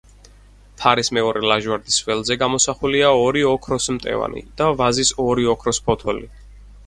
ფარის მეორე ლაჟვარდის ველზე გამოსახულია ორი ოქროს მტევანი და ვაზის ორი ოქროს ფოთოლი.